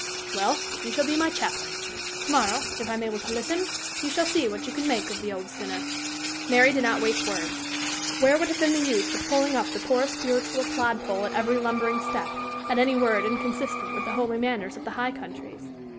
"Well, you shall be my chaplain. To morrow, if I'm able to listen, you shall see what you can make of the old sinner." Mary did not waste words: where would have been the use of pulling up the poor spiritual clodpole at every lumbering step, at any word inconsistent with the holy manners of the high countries?